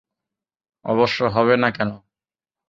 অবশ্য হবে না কেন?